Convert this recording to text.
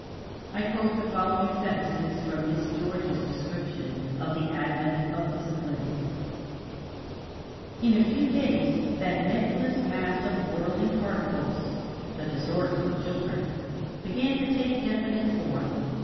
I quote the following sentences from Miss George's description of the advent of discipline: "In a few days that nebulous mass of whirling particles the disorderly children began to take definite form.